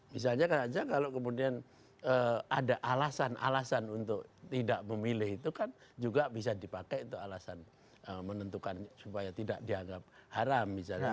misalnya kan aja kalau kemudian ada alasan alasan untuk tidak memilih itu kan juga bisa dipakai untuk alasan menentukan supaya tidak dianggap haram misalnya